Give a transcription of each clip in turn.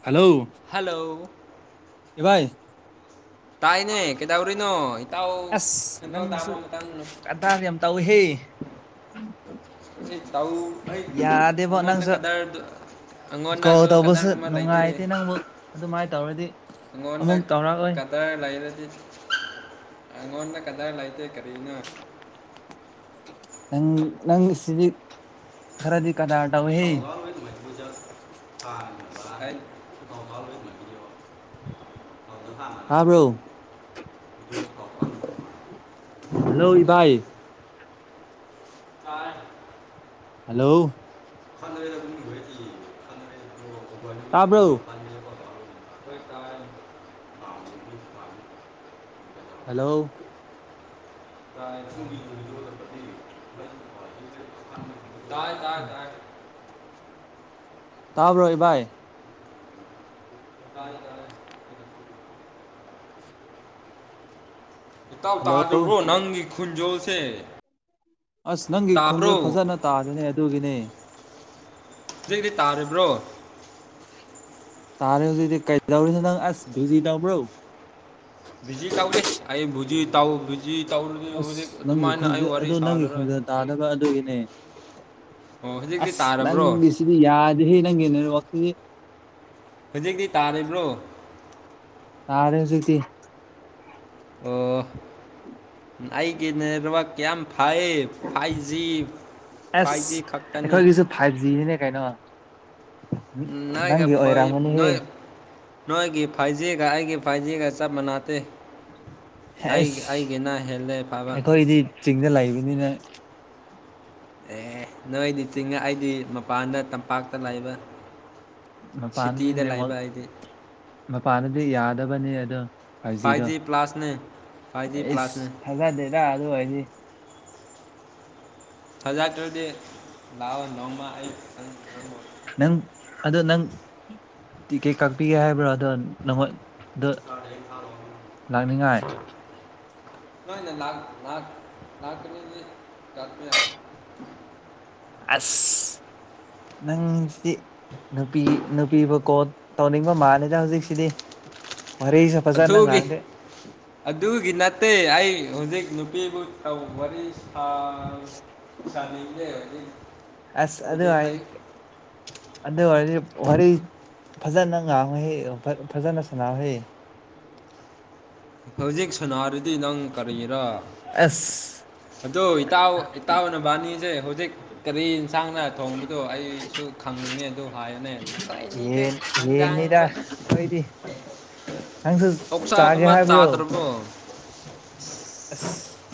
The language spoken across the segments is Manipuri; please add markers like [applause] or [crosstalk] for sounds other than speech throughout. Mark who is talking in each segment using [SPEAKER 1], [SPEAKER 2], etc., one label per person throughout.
[SPEAKER 1] ꯍꯜꯂꯣ
[SPEAKER 2] ꯍꯜꯂꯣ
[SPEAKER 1] ꯏꯚꯥꯏ
[SPEAKER 2] ꯇꯥꯏꯅꯦ ꯀꯩꯗꯧꯔꯤꯅꯣ ꯏꯇꯥꯎꯗ ꯇꯥꯃꯣ ꯃꯇꯥꯡꯣ
[SPEAKER 1] ꯀꯗꯥꯁꯤ ꯌꯥꯝ ꯇꯧ ꯍꯦ
[SPEAKER 2] ꯑꯩ ꯇꯧ ꯑꯩ ꯑꯩꯪꯉꯣꯟꯗ
[SPEAKER 1] ꯅꯪꯁꯨ
[SPEAKER 2] ꯀꯗꯔꯗ
[SPEAKER 1] ꯀꯣꯜ ꯇꯧꯕꯁꯨ ꯅꯨꯡꯉꯥꯏꯇꯦ ꯅꯪꯕꯨ ꯑꯗꯨꯃꯥꯏꯅ ꯇꯧꯔꯗꯤ ꯑꯃꯨꯛ ꯇꯧꯔꯛꯑꯣꯏ
[SPEAKER 2] ꯀꯗꯥꯔ ꯂꯩꯔꯗꯤ ꯑꯩꯉꯣꯟꯗ ꯀꯗꯥꯔ ꯂꯩꯇꯦ ꯀꯔꯤꯅꯣ
[SPEAKER 1] ꯅꯪ ꯅꯪ ꯁꯤꯗꯤ ꯈꯔꯗꯤ ꯀꯗꯥ
[SPEAKER 2] ꯊꯧꯒ ꯃꯨ ꯊ ꯑꯗꯍ
[SPEAKER 1] ꯇꯥꯔꯕ꯭ꯔꯣ
[SPEAKER 2] ꯍ
[SPEAKER 1] ꯍꯜꯂꯣ ꯏ ꯚꯏ
[SPEAKER 2] ꯆꯥ
[SPEAKER 1] ꯍꯜꯂꯣ
[SPEAKER 2] ꯐꯥꯟꯅꯔꯦꯅ
[SPEAKER 1] ꯇꯥꯕ
[SPEAKER 2] ꯀ
[SPEAKER 1] ꯍꯜꯂꯣ
[SPEAKER 2] [inaudible]
[SPEAKER 1] ꯎꯝ [unintelligible]
[SPEAKER 2] ꯥꯏ ꯂ ꯥꯏ
[SPEAKER 1] ꯇꯥꯕ꯭ꯔꯣ ꯏ ꯚꯥꯏ
[SPEAKER 2] ꯑ ꯎꯇꯥꯎ
[SPEAKER 1] ꯍꯜꯂꯣ
[SPEAKER 2] ꯇꯥꯗꯕ꯭ꯔꯣ ꯅꯪꯒꯤ ꯈꯨꯟꯖꯣꯜꯁꯦ
[SPEAKER 1] ꯑꯁ ꯅꯪꯒꯤ ꯈꯣꯟꯖꯦꯟ ꯐꯖꯅ ꯇꯥꯗꯦꯅꯦ ꯑꯗꯨꯒꯤꯅꯦ
[SPEAKER 2] ꯖꯤꯛꯗꯤ ꯇꯥꯔꯤꯕ꯭ꯔꯣ
[SPEAKER 1] ꯇꯥꯔꯦ ꯍꯧꯖꯤꯗꯤ ꯀꯩꯗꯎꯔꯤꯁꯤ ꯅꯪ ꯑꯁ ꯕꯤ ꯖꯤ ꯇꯧꯕ꯭ꯔꯣ
[SPEAKER 2] ꯕꯤꯖꯤ ꯇꯧꯗꯦ ꯑꯩ ꯕꯨꯖꯤ ꯇꯧ ꯕꯨꯖꯤ ꯇꯧꯔꯨꯗꯤ ꯍꯧꯖꯤꯛ
[SPEAKER 1] ꯑꯁ ꯅꯪꯒꯤ
[SPEAKER 2] ꯑꯗꯨꯃꯥꯏꯅ ꯑꯩ
[SPEAKER 1] ꯈꯣꯟꯖꯦꯜ
[SPEAKER 2] ꯋꯥꯔꯤ
[SPEAKER 1] ꯑꯗꯨ ꯅꯪꯒꯤ
[SPEAKER 2] ꯁꯥꯍꯜꯂꯔꯣꯏ
[SPEAKER 1] ꯈꯣꯟꯖꯦꯜ ꯇꯥꯗꯕ ꯑꯗꯨꯒꯤꯅꯦ ꯑꯁ ꯅꯪꯒꯤ ꯗꯤ ꯌꯥꯗꯦ ꯍꯦ ꯅꯪꯦ ꯑꯣꯁꯤꯗꯤ
[SPEAKER 2] ꯍꯧꯖꯤꯛꯇꯤ ꯇꯥꯔꯤꯕ꯭ꯔꯣ
[SPEAKER 1] ꯇꯥꯔ ꯁꯇ
[SPEAKER 2] ꯑꯣ ꯑꯩꯒꯤ ꯅꯦꯠꯋꯥꯛ ꯀꯌꯥꯝ ꯐꯌꯦꯚ ꯐꯥꯏꯚꯖꯤ ꯐꯥꯏꯚꯖꯤ
[SPEAKER 1] ꯑꯁ
[SPEAKER 2] ꯈꯛꯇꯅꯤ
[SPEAKER 1] ꯑꯩꯈꯣꯏꯒꯤꯁꯨ ꯐꯥꯏꯚ ꯖꯤꯅꯤꯅꯦ ꯀꯩꯅꯣ
[SPEAKER 2] ꯅꯣꯏꯒ
[SPEAKER 1] ꯅꯪꯒꯤ ꯑꯣꯏꯔꯝꯒꯅꯤꯍꯦ
[SPEAKER 2] ꯅꯣꯏ ꯅꯣꯏꯒꯤ ꯐꯥꯏꯚ ꯖꯤꯒ ꯑꯩꯒꯤ ꯐꯥꯏꯚꯖꯤꯒ ꯆꯞ ꯃꯥꯟꯅꯇꯦ ꯑꯩ
[SPEAKER 1] ꯑꯁ
[SPEAKER 2] ꯑꯩꯒꯤꯅ ꯍꯦꯜꯂꯦ ꯐꯕ
[SPEAKER 1] ꯑꯩꯈꯣꯏꯗꯤ ꯆꯤꯡꯗ ꯂꯩꯥꯛꯕꯅꯤꯅ
[SPEAKER 2] ꯑꯦ ꯅꯣꯏꯗꯤ ꯆꯤꯡꯉ ꯑꯩꯗꯤ ꯃꯄꯥꯟꯗ ꯇꯝꯄꯥꯛꯇ ꯂꯩꯥꯕ
[SPEAKER 1] ꯃꯄꯥꯟꯗꯗꯤ
[SPEAKER 2] ꯁꯤꯇꯤꯗ
[SPEAKER 1] ꯅꯦꯠꯋꯥꯛ
[SPEAKER 2] ꯂꯩꯕ ꯑꯩꯗꯤ
[SPEAKER 1] ꯃꯄꯥꯟꯗꯗꯤ ꯌꯥꯗꯕꯅꯦ ꯑꯗꯨꯝ ꯐꯥꯏꯚꯖꯤꯗꯣ
[SPEAKER 2] [unintelligible] ꯖꯤ
[SPEAKER 1] ꯑꯩꯁ
[SPEAKER 2] ꯄ꯭ꯂꯁꯅꯦ
[SPEAKER 1] ꯊꯥꯖꯗꯦꯗ ꯑꯗꯨ ꯑꯣꯏꯗꯤ
[SPEAKER 2] ꯊꯖꯥꯇ꯭ꯔꯗꯤ ꯂꯥꯛꯑꯣ ꯅꯣꯡꯃ ꯑꯩ ꯅꯪꯕꯨ
[SPEAKER 1] ꯅꯪ ꯑꯗꯣ ꯅꯪ ꯇꯤꯀꯦꯠ ꯀꯛꯄꯤꯒꯦ ꯍꯥꯏꯕ꯭ꯔꯣ ꯑꯗꯣ ꯅꯪꯉꯣꯟ ꯑꯗꯣ ꯂꯥꯛꯅꯤꯡꯉꯥꯏ
[SPEAKER 2] [unintelligible] ꯅꯣꯏ ꯅ ꯂꯥꯛ ꯂꯥꯛ ꯂꯥꯛꯀꯅꯤꯗꯤ [inaudible]
[SPEAKER 1] ꯑꯁ ꯅꯪꯁꯤꯗꯤ ꯅꯨꯄꯤ ꯅꯨꯄꯤꯕꯨ ꯀꯣꯜ ꯇꯧꯅꯤꯡꯕ ꯃꯥꯜꯂꯤꯗ ꯍꯧꯖꯤꯛ ꯁꯤꯗꯤ ꯋꯥꯔꯤꯁꯨ ꯐꯖꯅ
[SPEAKER 2] ꯑꯗꯨꯒꯤ
[SPEAKER 1] ꯉꯥꯡꯗꯦ
[SPEAKER 2] ꯑꯗꯨꯒꯤ ꯅꯠꯇꯦ ꯑꯩ ꯍꯧꯖꯤꯛ ꯅꯨꯄꯤꯕꯨ ꯇꯧ ꯋꯥꯔꯤ ꯁꯥ ꯁꯥꯒꯤꯝꯅꯦ ꯍꯧꯖꯤꯛ
[SPEAKER 1] ꯑꯁ ꯑꯗꯨ
[SPEAKER 2] ꯍꯧꯖꯤꯛ
[SPEAKER 1] ꯍꯥꯏꯗꯤ
[SPEAKER 2] ꯑꯩ
[SPEAKER 1] ꯑꯗꯨ ꯑꯣꯏꯗꯤ ꯋꯥꯔꯤ ꯐꯖꯅ ꯉꯥꯡꯉꯨꯍꯩ ꯐꯖꯅ ꯁꯥꯟꯅꯥꯍꯩ
[SPEAKER 2] ꯍꯧꯖꯤꯛ ꯁꯅꯥꯔꯤꯗꯤ ꯅꯪ ꯀꯔꯤꯔ
[SPEAKER 1] ꯑꯦꯁ
[SPEAKER 2] ꯑꯗꯣ ꯏꯇꯥꯎ ꯏꯇꯥꯎ ꯅꯕꯥꯅꯤꯁꯦ ꯍꯧꯖꯤꯛ ꯀꯔꯤ ꯌꯦꯟꯁꯥꯡꯅ ꯊꯣꯡꯕꯗꯣ ꯑꯩꯁꯨ ꯈꯪꯅꯤꯡꯉꯦ ꯑꯗꯨ ꯍꯥꯏꯌꯨꯅꯦ ꯑꯈꯣꯏ ꯑꯅꯤꯖꯦ ꯁꯟꯖꯥꯡꯕ
[SPEAKER 1] ꯑꯩꯗꯤ ꯅꯪꯁꯨ ꯆꯥꯒꯦ
[SPEAKER 2] ꯑꯣꯛꯁꯥꯒꯨꯝꯕ
[SPEAKER 1] ꯍꯥꯏꯕ꯭ꯔꯣ
[SPEAKER 2] ꯆꯥꯗ꯭ꯔꯕꯣ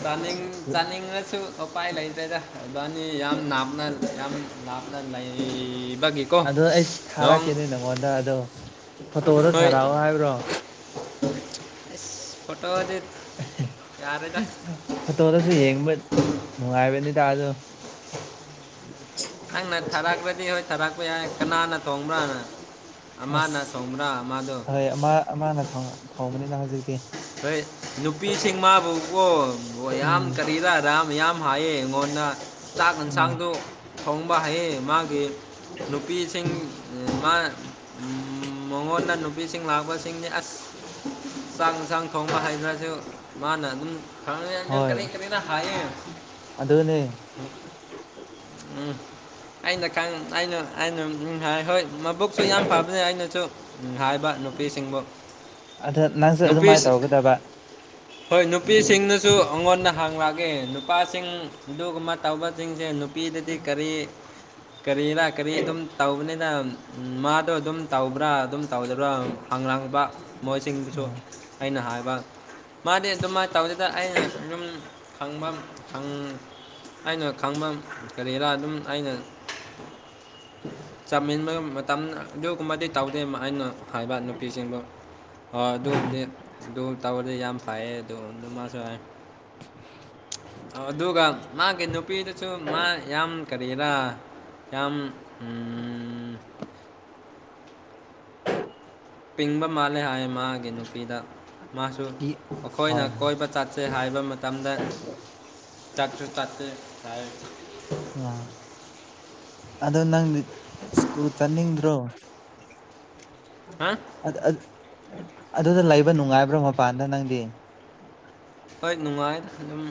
[SPEAKER 2] ꯆꯥꯅꯤꯡ ꯆꯥꯅꯤꯡꯉꯁꯨ ꯎꯄꯥꯏ ꯂꯩꯇ꯭ꯔꯦꯗ ꯏꯕꯥꯅꯤ ꯌꯥꯝ ꯂꯥꯞꯅ ꯌꯥꯝ ꯂꯥꯞ ꯅꯩ ꯕꯒꯤꯀꯣ
[SPEAKER 1] ꯑꯗꯣ ꯑꯩ ꯊꯥꯔꯛꯀꯦꯅꯦ ꯅꯪꯉꯣꯟꯗ ꯑꯗꯣ ꯐꯣꯇꯣꯗ ꯊꯥꯔꯛꯑꯣ ꯍꯥꯏꯕ꯭ꯔꯣ
[SPEAKER 2] ꯑꯩꯁ ꯐꯣꯇꯣꯗꯤ
[SPEAKER 1] [unintelligible]
[SPEAKER 2] ꯌꯥꯔꯦꯗ
[SPEAKER 1] ꯐꯣꯇꯣꯗꯁꯨ ꯌꯦꯡꯕ ꯅꯨꯡꯉꯥꯏꯕꯅꯤꯗ ꯑꯗꯣ [inaudible]
[SPEAKER 2] ꯅꯪꯅ ꯊꯥꯔꯛꯈ꯭ꯔꯗꯤ ꯍꯣꯏ ꯊꯥꯔꯛꯄ ꯌꯥꯏ ꯀꯅꯥꯅ ꯊꯣꯡꯕ꯭ꯔꯥꯅ ꯑꯃꯅ
[SPEAKER 1] ꯑꯁ
[SPEAKER 2] ꯊꯣꯡꯕ꯭ꯔꯥ ꯑꯃꯗꯣ
[SPEAKER 1] ꯍꯣꯏ ꯑꯃ ꯑꯃꯅ ꯊꯣꯡꯕꯅꯤꯗ ꯍꯧꯖꯤꯛꯇꯤ
[SPEAKER 2] ꯍꯣꯏ ꯅꯨꯄꯤꯁꯤꯡ ꯃꯥꯕꯨꯀꯣ ꯌꯥꯝ
[SPEAKER 1] ꯎꯝ
[SPEAKER 2] ꯀꯔꯤꯔ ꯑꯗꯥ ꯃꯌꯥꯝ ꯍꯥꯏꯌꯦ ꯑꯩꯉꯣꯟꯗ ꯆꯥꯛ
[SPEAKER 1] ꯎꯝ
[SPEAKER 2] ꯌꯦꯟꯁꯥꯡꯗꯣ ꯊꯣꯡꯕ ꯍꯩꯌꯦ ꯃꯥꯒꯤ ꯅꯨꯄꯤꯁꯤꯡ ꯃꯥ ꯃꯉꯣꯟꯗ ꯅꯨꯄꯤꯁꯤꯡ ꯂꯥꯛꯄꯁꯤꯡꯅꯤ ꯑꯁ
[SPEAKER 1] ꯎꯝ
[SPEAKER 2] ꯆꯥꯛ ꯌꯦꯟꯁꯥꯡ ꯊꯣꯡꯕ ꯍꯥꯏꯗ꯭ꯔꯁꯨ ꯃꯥꯅ ꯑꯗꯨꯝ ꯈꯪꯝ ꯀꯔꯤ ꯀꯔꯤꯅ ꯍꯥꯏꯌꯦ
[SPEAKER 1] ꯑꯗꯨꯗꯅꯦ
[SPEAKER 2] ꯎꯝ ꯑꯩꯅ ꯑꯩꯅ ꯑꯩꯅ ꯎ ꯍꯣꯏ ꯍꯣꯏ ꯃꯕꯨꯛꯁꯨ ꯌꯥꯝ ꯐꯕꯅꯦ ꯑꯩꯅꯁꯨ ꯍꯥꯏꯕ ꯅꯨꯄꯤꯁꯤꯡꯕꯨ
[SPEAKER 1] ꯑꯗ ꯅꯪꯁꯨ
[SPEAKER 2] ꯅꯨꯄꯤ
[SPEAKER 1] ꯑꯗꯨꯃꯥꯏꯅ ꯇꯧꯒꯗꯕ
[SPEAKER 2] ꯍꯣꯏ ꯅꯨꯄꯤꯁꯤꯡꯅꯁꯨ ꯑꯩꯉꯣꯟꯅ ꯍꯥꯡ ꯂꯥꯛꯒꯦ ꯅꯨꯄꯥꯁꯤꯡ ꯑꯗꯨꯒꯨꯝꯕ ꯇꯧꯕꯁꯤꯡꯁꯦ ꯅꯨꯄꯤꯗꯗꯤ ꯀꯔꯤ ꯀꯔꯤꯔ ꯀꯔꯤ ꯑꯗꯨꯝ ꯇꯧꯕꯅꯤꯅ ꯃꯥꯗꯣ ꯑꯗꯨꯝ ꯇꯧꯕ꯭ꯔꯥ ꯑꯗꯨꯝ ꯇꯧꯗꯕ꯭ꯔꯥ ꯑꯉꯥꯡꯕ ꯃꯣꯏꯁꯤꯡꯗꯨꯁꯨ
[SPEAKER 1] ꯎꯝ
[SPEAKER 2] ꯑꯩꯅ ꯍꯥꯏꯕ ꯃꯥꯗꯤ ꯑꯗꯨꯃꯥꯏꯅ ꯇꯧꯗꯦꯗ ꯑꯩꯅ ꯑꯗꯨꯨꯝ ꯈꯪꯕꯝ ꯐꯪ ꯑꯩꯅ ꯈꯪꯕꯝ ꯀꯔꯤꯔ ꯑꯗꯨꯝ ꯑꯩꯅ ꯆꯥꯃꯤꯟꯕ ꯃꯇꯝ ꯑꯗꯨꯒꯨꯝꯕꯗꯤ ꯇꯧꯗꯦ ꯑꯩꯅ ꯍꯥꯏꯕ ꯅꯨꯄꯤꯁꯤꯡꯕꯨ ꯑꯗꯨꯕꯨꯗꯤ ꯑꯗꯨ ꯇꯧꯔꯗꯤ ꯌꯥꯝ ꯐꯥꯏꯌꯦ ꯑꯗꯨ ꯑꯣꯟꯗ ꯃꯥꯁꯨ ꯍꯥꯏ ꯑꯗꯨꯒ ꯃꯥꯒꯤ ꯅꯨꯄꯤꯗꯨꯁꯨ ꯃꯥ ꯌꯥꯝ ꯀꯔꯤꯔꯥ ꯌꯥꯝ
[SPEAKER 1] [inaudible]
[SPEAKER 2] ꯄꯤꯡꯕ ꯃꯥꯜꯂꯦ ꯍꯥꯏ ꯃꯥꯒꯤ ꯅꯨꯄꯤꯗ ꯃꯥꯁꯨ ꯑꯩꯈꯣꯏꯅ
[SPEAKER 1] ꯍꯣꯏ
[SPEAKER 2] ꯀꯣꯏꯕ ꯆꯠꯁꯦ ꯍꯥꯏꯕ ꯃꯇꯝꯗ ꯆꯠꯁꯨ ꯆꯥꯠꯇꯦ ꯆꯦ
[SPEAKER 1] ꯑ ꯑꯗꯣ ꯅꯪ ꯁ꯭ꯀꯨꯜ ꯆꯅꯤꯡꯗ꯭ꯔꯣ
[SPEAKER 2] ꯍꯥ
[SPEAKER 1] ꯑꯗꯨꯗ ꯂꯩꯕ ꯅꯨꯡꯉꯥꯏꯕ꯭ꯔꯣ ꯃꯄꯥꯟꯗ ꯅꯪꯗꯤ
[SPEAKER 2] ꯍꯣꯏ ꯅꯨꯡꯉꯥꯏ ꯑꯗꯨꯝ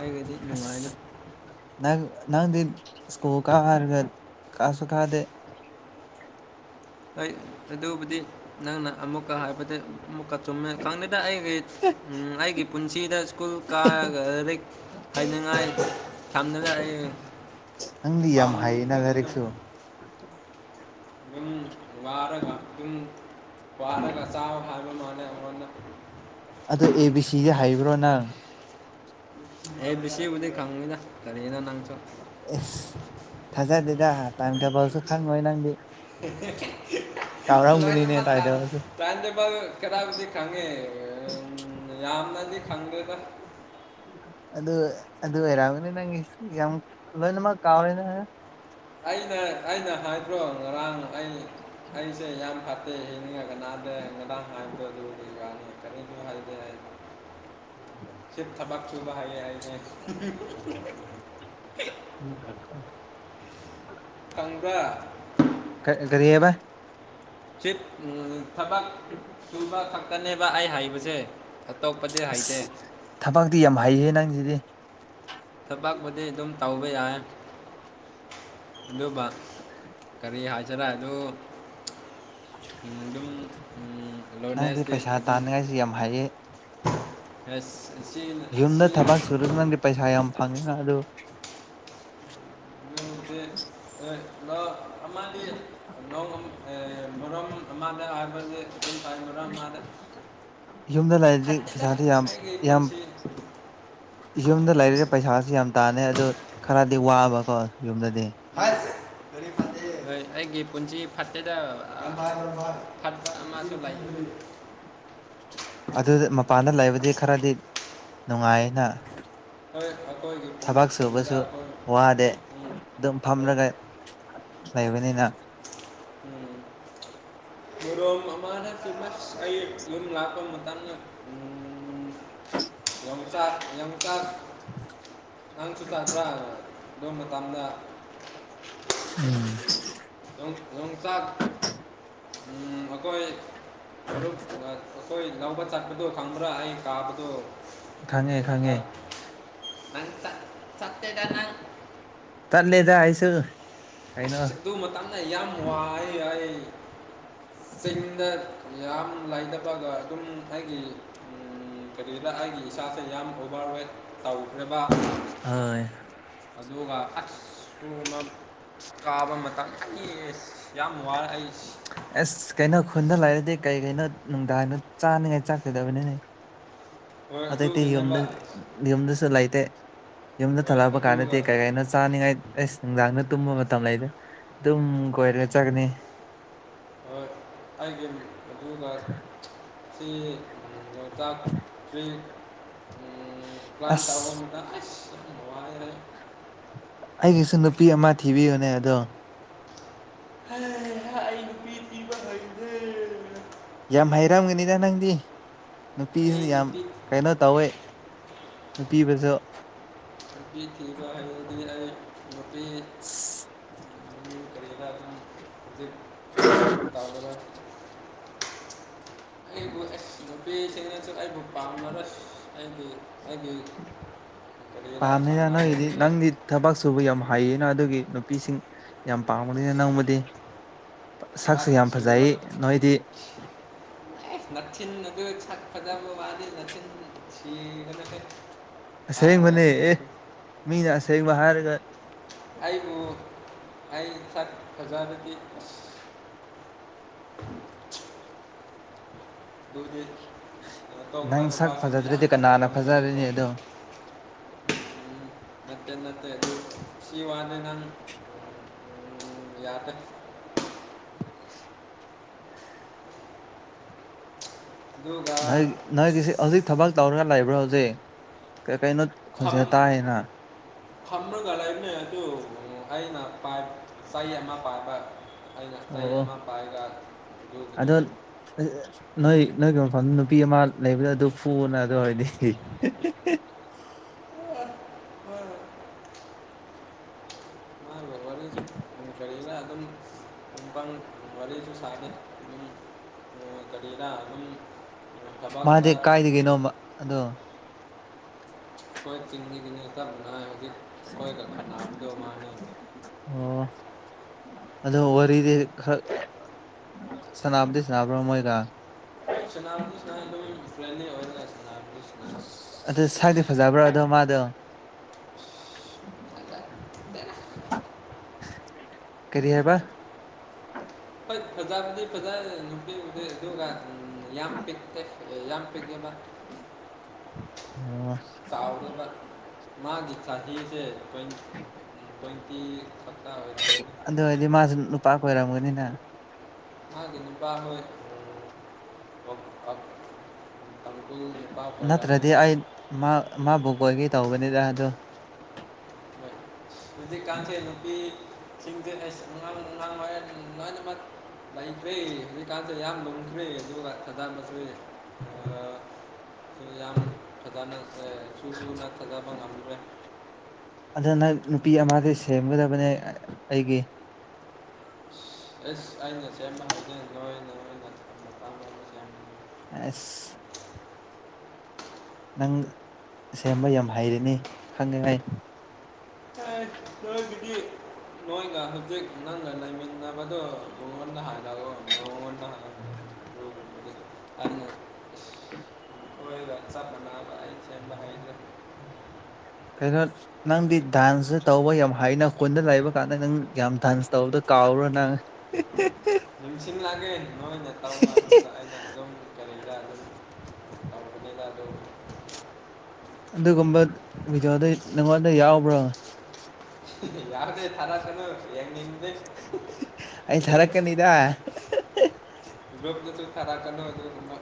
[SPEAKER 2] ꯑꯩꯒꯤꯗꯤ
[SPEAKER 1] ꯑꯁ
[SPEAKER 2] ꯅꯨꯡꯉꯥꯏꯗ
[SPEAKER 1] ꯅꯪ ꯅꯪꯗꯤ ꯁ꯭ꯀꯨꯜ ꯀꯥꯔꯒ ꯀꯥꯁꯨ ꯀꯥꯗꯦ
[SPEAKER 2] ꯍ ꯑꯗꯨꯕꯨꯗꯤ ꯅꯪꯅ ꯑꯃꯨꯛꯀ ꯍꯥꯏꯕꯗ ꯑꯃꯨꯛꯀ ꯆꯨꯝꯃꯦ ꯈꯪꯗꯦꯗ ꯑꯩꯒꯤ ꯑꯩꯒꯤ ꯄꯨꯟꯁꯤꯗ ꯁ꯭ꯀꯨꯜ ꯀꯥꯔꯒ ꯍꯥꯏꯅꯤꯡꯉꯥꯏ ꯊꯝꯅꯔ ꯑꯩ
[SPEAKER 1] ꯅꯪꯗꯤ ꯌꯥꯝ
[SPEAKER 2] ꯐꯥꯝ
[SPEAKER 1] ꯍꯩꯌꯦꯅ
[SPEAKER 2] ꯀꯅ
[SPEAKER 1] ꯂꯥꯏꯔꯤꯛꯁꯨ
[SPEAKER 2] ꯑꯗꯨꯝ ꯋꯥꯔꯒ ꯑꯗꯨꯝ ꯋꯥꯔꯒ ꯆꯥ ꯍꯥꯏꯕ ꯃꯥꯅ ꯑꯩꯉꯣꯟꯗ
[SPEAKER 1] ꯑꯗꯣ ꯑꯦ ꯕꯤ ꯁꯤ ꯍꯥꯏꯕ꯭ꯔꯣ ꯅꯪ
[SPEAKER 2] ꯑꯩ ꯁꯤꯕꯨꯗꯤ ꯈꯪꯉꯤꯅ ꯀꯔꯤꯅ ꯅꯪ
[SPEAKER 1] ꯑꯦ ꯊꯖꯗꯦꯗ ꯇꯥꯏꯝ ꯇꯕꯜꯁꯨ ꯈꯪꯉꯣꯏ ꯅꯪꯗꯤ ꯀꯥꯎꯔꯝꯒꯅꯤꯅꯦ ꯇꯥꯏꯝ
[SPEAKER 2] ꯂꯅꯃꯇꯥ
[SPEAKER 1] ꯇꯦꯕꯜꯁꯨ
[SPEAKER 2] ꯇꯥꯏꯝ ꯇꯦꯕꯜ ꯀꯗꯥꯏꯕꯨꯗꯤ ꯈꯪꯉꯦ ꯌꯥꯝꯅꯗꯤ ꯈꯪꯗ꯭ꯔꯦꯗ
[SPEAKER 1] ꯑꯗꯨ ꯑꯗꯨ ꯑꯣꯏꯔꯛꯑꯕꯅꯤ ꯅꯪꯒꯤ ꯌꯥꯝ ꯂꯣꯏꯅꯃꯛ ꯀꯥꯎꯔꯦꯅ
[SPEAKER 2] ꯑꯩꯅ ꯑꯩꯅ ꯍꯥꯏꯗ꯭ꯔꯣ ꯉꯔꯥꯡ ꯑꯩ ꯑꯩꯁꯦ ꯌꯥꯝ ꯐꯠꯇ ꯌꯦꯅꯤꯡ ꯀꯅꯥꯗꯦꯗ ꯍꯥꯏꯗ ꯑꯗꯨꯅꯤ ꯀꯅꯤ ꯍꯥꯏꯗꯦ
[SPEAKER 1] ꯍꯦ
[SPEAKER 2] ꯆꯦꯠ ꯊꯥꯕꯥꯛꯁꯨꯨꯕ ꯍꯥꯏ ꯍꯥꯏꯦ
[SPEAKER 1] [unintelligible]
[SPEAKER 2] ꯈꯪꯕꯔꯥ
[SPEAKER 1] ꯀ ꯀꯔꯤꯕ
[SPEAKER 2] ꯊꯕꯛ ꯁꯨꯕ ꯈꯛꯇꯅꯦꯕ ꯑꯩ ꯍꯥꯏꯕꯁꯦ
[SPEAKER 1] ꯑꯁ ꯊꯕꯛꯇꯤ ꯌꯥꯝ ꯍꯩꯍꯦ ꯅꯪꯁꯤꯗꯤ
[SPEAKER 2] ꯊꯕꯛꯄꯨꯗꯤ ꯑꯗꯨꯝ ꯇꯧꯕ ꯌꯥꯏ ꯑꯗꯨꯒ ꯀꯔꯤ ꯍꯥꯏꯖꯤꯔ ꯑꯗꯨ ꯑꯗꯨꯝ
[SPEAKER 1] ꯅꯪꯗꯤ
[SPEAKER 2] ꯂꯣꯅꯦꯁꯇꯤ
[SPEAKER 1] ꯄꯩꯁꯥ
[SPEAKER 2] ꯑꯗꯨꯝ
[SPEAKER 1] ꯇꯥꯅꯤꯡꯉꯥꯏꯁꯤ ꯌꯥꯝ ꯍꯩꯌꯦ
[SPEAKER 2] ꯑꯁ ꯑꯁꯤ ꯁꯤ
[SPEAKER 1] ꯑꯣꯔꯤꯖꯤꯅꯦꯜꯒꯤ ꯄꯩꯁꯥ ꯌꯥꯝ ꯐꯪꯉꯤꯅ ꯑꯗꯨ
[SPEAKER 2] [unintelligible] ꯑꯃꯗꯤ ꯅꯣꯡ ꯑꯦ ꯃꯣꯔꯝ ꯑꯃꯗ ꯍꯥꯏꯕꯁꯤ ꯑꯗꯨꯝ ꯇꯥꯏ ꯉꯔꯥꯡꯃꯥꯗ
[SPEAKER 1] ꯌꯨꯝꯗ ꯂꯩꯔꯗꯤ ꯄꯩꯁꯥꯗꯤ ꯌꯥꯝ ꯌꯥꯝ
[SPEAKER 2] ꯄꯨꯟꯁꯤ
[SPEAKER 1] ꯌꯨꯝꯗ ꯂꯩꯔꯤꯁꯦ ꯄꯩꯁꯥꯁꯨ ꯌꯥꯝ ꯇꯥꯟꯅꯤ ꯑꯗꯨ ꯈꯔꯗꯤ ꯋꯥꯕꯀꯣ ꯌꯨꯝꯗꯗꯤ
[SPEAKER 2] ꯍꯥꯏꯁ ꯀꯔꯤ ꯐꯠꯇꯦ ꯍꯣꯏ ꯑꯩꯒꯤ ꯄꯨꯟꯁꯤ ꯐꯠꯇꯦꯗ ꯔꯥꯏ ꯑꯣꯏ ꯍꯥꯠ ꯐꯃꯁꯨ ꯂꯥꯏ
[SPEAKER 1] ꯑꯗꯨꯗ ꯃꯄꯥꯟꯗ ꯂꯩꯕꯗꯤ ꯈꯔꯗꯤ ꯅꯨꯡꯉꯥꯏꯅ
[SPEAKER 2] ꯍꯈꯣꯏ
[SPEAKER 1] ꯊꯕꯛ
[SPEAKER 2] ꯑꯩꯈꯣꯏ ꯌ
[SPEAKER 1] ꯁꯨꯕꯁꯨ
[SPEAKER 2] ꯑꯩꯈꯣꯏ
[SPEAKER 1] ꯋꯥꯗꯦ
[SPEAKER 2] ꯎꯝ
[SPEAKER 1] ꯑꯗꯨꯝ
[SPEAKER 2] ꯍꯣꯏ
[SPEAKER 1] ꯐꯝꯔꯒ ꯂꯩꯕꯅꯤꯅ
[SPEAKER 2] ꯎꯝ ꯃꯣꯔꯣꯝ ꯑꯃꯅ ꯐꯤꯃꯁ ꯑꯩ ꯌꯨꯝ ꯂꯥꯛꯄ ꯃꯇꯝꯗ ꯌꯆꯥ ꯌꯆꯥꯥꯛ ꯌꯥꯝꯪꯁꯨ ꯆ꯭ꯔ ꯑꯗꯨ ꯃꯇꯝꯗ
[SPEAKER 1] ꯎꯝ
[SPEAKER 2] ꯂꯣꯏ ꯂꯣꯏꯆꯥꯛ ꯑꯈꯣꯏ ꯃꯔꯨꯞꯒ ꯍꯣꯏ ꯂꯧꯕ ꯆꯠꯄꯗꯣ ꯈꯪꯕ꯭ꯔꯥ ꯑꯩ ꯀꯥꯕꯗꯣ
[SPEAKER 1] ꯈꯪꯉꯦ ꯈꯪꯉꯦ
[SPEAKER 2] [unintelligible] ꯅꯪ ꯆꯠ ꯆꯠꯇꯦꯗ ꯅꯪ
[SPEAKER 1] ꯇꯜꯂꯦꯗ ꯍꯥꯏꯁꯨ
[SPEAKER 2] ꯑꯁ ꯑꯗꯨ ꯃꯇꯝꯅ ꯌꯥꯝ ꯋꯥꯏ ꯍꯥꯏ ꯆꯤꯡꯗ ꯌꯥꯝ ꯂꯥꯏꯗꯕꯒ ꯑꯗꯨꯝ ꯑꯩꯒꯤ ꯀꯔꯤꯗ ꯑꯩꯒꯤ ꯏꯁꯥꯁꯦ ꯌꯥꯝ ꯑꯣꯚꯔꯋꯦꯠ ꯇꯧꯈ꯭ꯔꯦꯕ
[SPEAKER 1] ꯑꯣꯏ
[SPEAKER 2] ꯑꯗꯨꯒ ꯑꯛꯁ [unintelligible] ꯀꯥꯕ ꯃꯇꯝ ꯈꯪꯏ ꯑꯁ ꯌꯥꯝ ꯋꯥꯔꯛ ꯑꯩꯁ
[SPEAKER 1] ꯑꯁ ꯀꯩꯅꯣ ꯈꯨꯟꯗ ꯂꯩꯔꯗꯤ ꯀꯩ ꯀꯩꯅꯣ ꯅꯨꯡꯗꯥꯡꯗ ꯆꯥꯅꯤꯉꯥꯏ ꯆꯥꯛꯀꯗꯕꯅꯤꯅꯦ
[SPEAKER 2] ꯍꯣꯏ
[SPEAKER 1] ꯑꯇꯩ ꯑꯇꯩ
[SPEAKER 2] ꯑꯗꯨꯒꯤꯅꯦꯕ
[SPEAKER 1] ꯌꯨꯝꯗꯗꯤ ꯌꯨꯝꯗꯁꯨ ꯂꯩꯇꯦ ꯌꯨꯝꯗ
[SPEAKER 2] ꯍꯣꯏ
[SPEAKER 1] ꯊꯣꯛꯂꯛꯄꯥ ꯀꯥꯟꯗꯗꯤ
[SPEAKER 2] ꯑꯗꯨꯒ
[SPEAKER 1] ꯀꯩ ꯀꯅꯣ ꯆꯥꯅꯤꯡꯉꯥꯏ ꯑꯦꯁ ꯅꯨꯡꯗꯥꯡꯗ ꯇꯨꯝꯕ ꯃꯇꯝ ꯂꯩꯗꯦ ꯑꯗꯨꯝ ꯀꯣꯏꯔꯒ ꯆꯒꯅꯤ
[SPEAKER 2] ꯍꯣꯏ ꯑꯩꯒꯤ ꯑꯗꯨꯒ ꯁꯤ ꯂꯣꯛꯇꯥꯛ ꯇꯔꯤ ꯄ꯭ꯂꯥꯟ
[SPEAKER 1] ꯑꯁ
[SPEAKER 2] ꯇꯥꯥꯎ ꯇ ꯑꯩꯁ ꯋꯥꯅꯤꯍꯦ
[SPEAKER 1] ꯑꯩꯒꯤꯁꯨ ꯅꯨꯄꯤ ꯑꯃ ꯊꯤꯕꯤꯌꯨꯅꯦ ꯑꯗꯣ
[SPEAKER 2] ꯍꯩ ꯍ ꯑꯩ ꯅꯨꯄꯤ ꯄꯤꯕ ꯍꯩꯗꯦ
[SPEAKER 1] ꯌꯥꯝ ꯍꯥꯏꯔꯝꯒꯅꯤꯗ ꯅꯪꯗꯤ ꯅꯨꯄꯤꯁꯨ
[SPEAKER 2] ꯑꯩ
[SPEAKER 1] ꯌꯥꯝ
[SPEAKER 2] ꯅꯨꯄꯤ
[SPEAKER 1] ꯀꯩꯅꯣ ꯇꯧꯋꯦ ꯅꯨꯄꯤꯕꯁꯨ
[SPEAKER 2] ꯅꯨꯄꯤ ꯊꯤꯕ ꯍꯔꯗꯤ ꯑꯩ ꯅꯨꯄꯤ ꯀꯔꯤꯒꯤꯔꯥ ꯁꯤ [unintelligible] ꯑꯩꯕꯨ ꯑꯦꯁ ꯅꯨꯄꯤꯁꯤꯡꯅꯁꯨ ꯑꯩꯕꯨ ꯄꯥꯝꯃꯔꯣꯏꯁ ꯑꯩꯒꯤ ꯑꯩꯒꯤ ꯀꯔꯤꯔꯥ
[SPEAKER 1] ꯄꯥꯝꯅꯤꯅ ꯅꯣꯏꯒꯤꯗꯤ
[SPEAKER 2] [unintelligible]
[SPEAKER 1] ꯅꯪꯗꯤ ꯊꯕꯛ ꯁꯨꯕ ꯌꯥꯝ ꯍꯩꯌꯦꯅ ꯑꯗꯨꯒꯤ ꯅꯨꯄꯤꯁꯤꯡ ꯌꯥꯝ ꯄꯥꯝꯒꯅꯤꯅ ꯅꯪꯕꯨꯗꯤ
[SPEAKER 2] ꯊꯕꯛ
[SPEAKER 1] ꯁꯛꯁꯦ ꯌꯥꯝ
[SPEAKER 2] ꯁꯨꯕ
[SPEAKER 1] ꯐꯖꯩ ꯅꯣꯏꯗꯤ
[SPEAKER 2] ꯅꯆꯤꯟ ꯑꯗꯨ ꯁꯛ ꯐꯖꯕ ꯋꯥꯅꯤ ꯅꯆꯤꯟ ꯁꯤꯕꯥ ꯅꯠꯇꯦ
[SPEAKER 1] ꯑꯁꯦꯡꯕꯅꯦ ꯑꯦ ꯃꯤꯅ ꯑꯁꯦꯡꯕ ꯍꯥꯏꯔꯒ
[SPEAKER 2] ꯑꯩꯕꯨ ꯑꯩ ꯆꯠ ꯐꯖꯕꯗꯤ ꯗꯨꯗꯤ
[SPEAKER 1] ꯅꯪ ꯁꯛ ꯐꯖꯗ꯭ꯔꯗꯤ ꯀꯅꯥꯅ
[SPEAKER 2] ꯐꯖꯔꯝꯒꯅꯤꯀꯣ
[SPEAKER 1] ꯐꯖꯔꯅꯤ ꯑꯗꯣ
[SPEAKER 2] ꯅꯠꯇꯦ ꯅꯠꯇꯦ ꯑꯗꯨ ꯁꯤ ꯋꯥꯅꯤ ꯅꯪ ꯎꯝ ꯌꯥꯗꯔꯦ ꯑꯗꯨꯒ
[SPEAKER 1] ꯅꯣꯏ ꯅꯣꯏꯒꯤꯁꯤ ꯍꯧꯖꯤꯛ ꯊꯕꯛ ꯇꯧꯔꯒ ꯂꯩꯕ꯭ꯔꯣ ꯍꯧꯖꯤꯛ ꯀꯩꯅꯣ ꯈꯣꯟꯁ ꯇꯥꯏꯌꯦꯅ
[SPEAKER 2] ꯊꯝꯃꯒ ꯂꯩꯃꯦ ꯑꯗꯨ ꯑꯩꯅ ꯆꯍꯤ ꯑꯃ ꯄꯥꯏꯕ ꯑꯩꯩꯅ ꯆꯩ
[SPEAKER 1] ꯑꯣ
[SPEAKER 2] ꯑꯃ ꯄꯥꯏꯔꯒ
[SPEAKER 1] ꯍ ꯅꯣꯏ ꯅꯣꯏꯒꯤ ꯃꯐꯝ ꯅꯨꯄꯤ ꯑꯃ ꯂꯩꯕꯗ ꯑꯗꯨ ꯐꯨꯅ ꯑꯗꯨ ꯑꯣꯏꯗꯤ
[SPEAKER 2] ꯍ
[SPEAKER 1] [inaudible]
[SPEAKER 2] ꯃꯥꯒ ꯋꯥꯔꯤꯁꯨ ꯀꯔꯤꯔ ꯑꯗꯨꯝ ꯀꯪ ꯋꯥꯔꯤꯁꯨ ꯁꯥꯅꯦ ꯀꯔꯤꯗ ꯑꯗꯨꯝ
[SPEAKER 1] ꯃꯥꯗꯤ
[SPEAKER 2] ꯊꯕꯛꯇ
[SPEAKER 1] ꯀꯥꯏꯗꯗꯒꯤꯅꯣꯃꯥ ꯑꯗꯣ
[SPEAKER 2] ꯑꯩꯈꯣꯏ ꯆꯤꯡꯃꯤꯒꯤꯅꯤ ꯇꯞꯅ ꯍꯧꯖꯤꯛ ꯑꯩꯈꯣꯏꯒ ꯈꯅꯗꯨ ꯃꯥꯅꯤ
[SPEAKER 1] ꯑꯣ ꯑꯗꯣ ꯋꯥꯔꯤꯗꯤ ꯈꯔꯛ ꯁꯥꯅꯕꯥꯗꯤ ꯁꯥꯅꯕꯥꯔꯣ ꯃꯣꯏꯒꯥ
[SPEAKER 2] ꯍꯣꯏ ꯁꯅꯥꯕꯗꯤ ꯁꯥꯟꯅꯩ ꯑꯗꯨꯝ ꯐꯔꯦꯟꯂꯤ ꯑꯣꯏꯅ
[SPEAKER 1] ꯑꯗꯨ ꯁꯗꯤ ꯐꯖꯕ꯭ꯔꯣ ꯑꯗꯣ ꯃꯥꯗꯣ
[SPEAKER 2] [unintelligible]
[SPEAKER 1] ꯀꯔꯤ ꯍꯥꯏꯕ
[SPEAKER 2] [unintelligible] ꯂꯤꯂ ꯄꯤꯛꯇꯦ ꯍ ꯌꯥꯝꯝ ꯄꯤꯗꯕ
[SPEAKER 1] [inaudible] ꯑꯣ
[SPEAKER 2] ꯆꯥꯎꯥꯎꯒ ꯃꯥꯒꯤ ꯏꯁꯥꯁꯤꯁꯦ ꯀ [unintelligible]
[SPEAKER 1] ꯑꯗꯨ ꯑꯣꯏꯔꯗꯤ ꯃꯥꯁꯨ ꯅꯨꯄꯥ ꯀ ꯑꯣꯏꯔꯝꯒꯅꯤꯅ
[SPEAKER 2] ꯑ ꯀꯤꯟꯄ ꯍ
[SPEAKER 1] ꯅꯠꯇ꯭ꯔꯗꯤ ꯑꯩ ꯃꯥꯕꯨ ꯀꯣꯏꯒꯦ ꯇꯧꯕꯅꯤꯗꯥ ꯑꯗꯨ
[SPEAKER 2] ꯍꯧꯖꯤꯛ ꯀꯥꯡꯥꯟꯁꯩ ꯅꯨꯄꯤꯁꯤꯡꯁꯦ ꯅꯨꯡꯥꯡ ꯂꯣꯏꯅꯃꯛ ꯐꯩ ꯐꯩ ꯍꯧꯖꯤꯛꯀꯥꯟꯁꯤ ꯌꯥꯝꯌꯥꯝ ꯂꯨꯈꯔ ꯑꯗꯨꯒ ꯊꯗꯥ ꯃꯁꯨꯨꯁꯤ ꯌꯥꯝ ꯐꯖꯅ ꯁꯨ ꯆꯨꯅ ꯊꯥꯖꯕ ꯉꯝꯗ꯭ꯔꯦ
[SPEAKER 1] ꯑꯗꯨ ꯅꯪꯅ ꯅꯨꯄꯤ ꯑꯃꯗꯤ ꯁꯦꯝꯒꯗꯕꯅꯤ ꯑꯩꯒꯤ
[SPEAKER 2] ꯑꯦꯁ ꯑꯩ ꯉꯁ ꯑꯃ ꯍꯥꯏꯖ ꯅꯣꯏ [inaudible]
[SPEAKER 1] ꯑꯁ ꯅꯪ ꯁꯦꯝꯕ ꯌꯥꯝ ꯍꯩꯔꯅꯤ ꯈꯪꯉꯦ ꯑꯩ
[SPEAKER 2] ꯑꯥꯏ ꯀꯗꯥꯏꯗꯒꯤ ꯅꯣꯏꯒ ꯍꯧꯖꯤꯛ ꯅꯪꯒ ꯂꯩꯃꯤꯟꯅꯕꯗꯣ ꯃꯉꯣꯟꯗ ꯍꯥꯏꯂꯑꯣ ꯃꯉꯣꯟꯗ
[SPEAKER 1] ꯎ [inaudible]
[SPEAKER 2] ꯑ ꯍꯣꯏ ꯆꯄ
[SPEAKER 1] ꯀꯩꯅꯩꯅꯣ ꯅꯪꯗꯤ ꯗꯥꯟꯁꯨ ꯇꯧꯕ ꯌꯥꯝ ꯍꯩꯅꯥ ꯈꯨꯟꯗ ꯂꯩꯕ ꯀꯥꯟꯗ ꯅꯪ ꯌꯥꯝ ꯗꯥꯟꯁ ꯇꯧꯕꯗꯣ ꯀꯥꯎꯔꯣ ꯅꯪ?
[SPEAKER 2] ꯅꯤꯡꯁꯤꯡꯜꯂꯛꯑꯒꯦ ꯅꯣꯏꯅ ꯇꯧ ꯍꯥꯏꯕꯗ ꯑꯩꯅ ꯑꯗꯨꯝ ꯀꯔꯤ ꯀꯔꯥ ꯑꯗꯨꯝ ꯇ ꯌꯥꯗꯣ
[SPEAKER 1] ꯑꯗꯨꯒꯨꯝꯕ ꯚꯗꯤꯑꯣꯗꯨ ꯅꯪꯉꯣꯟꯗ ꯌꯥꯎꯕ꯭ꯔꯣ?
[SPEAKER 2] ꯌꯥꯔꯅꯦꯦ ꯊꯔ ꯊꯅꯣ ꯌꯦꯡꯅꯤꯗꯦ
[SPEAKER 1] ꯑꯩ ꯊꯥꯔꯛꯀꯅꯤꯗ [unintelligible]
[SPEAKER 2] ꯒꯔꯨꯞꯇꯁꯨ ꯊꯥꯔꯛꯀꯅꯨ ꯑꯗꯨꯒꯨꯝꯕ